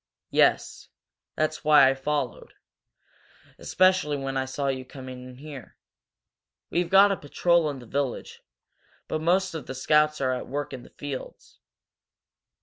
"Yes. That's why I followed especially when I saw you coming in here. We've got a patrol in the village, but most of the scouts are at work in the fields."